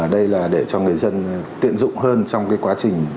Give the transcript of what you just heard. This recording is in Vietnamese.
đây là để cho người dân tiện dụng hơn trong cái quá trình đăng nhập